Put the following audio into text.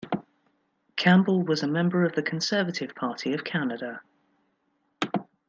Campbell was a member of the Conservative Party of Canada.